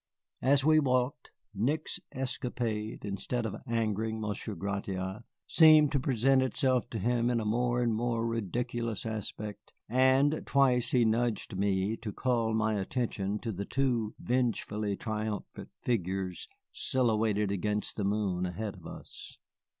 As we walked, Nick's escapade, instead of angering Monsieur Gratiot, seemed to present itself to him in a more and more ridiculous aspect, and twice he nudged me to call my attention to the two vengefully triumphant figures silhouetted against the moon ahead of us.